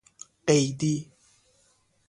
قیدی